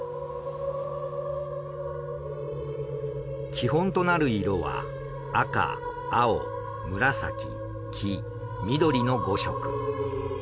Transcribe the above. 基本となる色は赤青紫黄緑の５色。